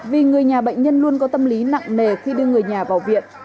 vì người nhà bệnh nhân luôn có tâm lý nặng nề khi đưa người đến bệnh viện